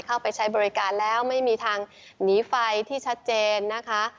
เข้าไปใช้บริการแล้วไม่มีทางหนีไฟที่ชัดเจนนะคะ